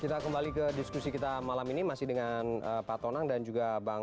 kita kembali ke diskusi kita malam ini masih dengan pak tonang dan juga bang